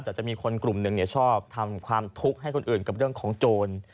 แต่จะมีคนกลุ่มหนึ่งชอบทำความทุกข์ให้คนอื่นกับเรื่องของโจร